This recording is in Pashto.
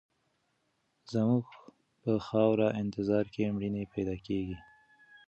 زموږ په خاوره انتظار کې مېړني پیدا کېږي.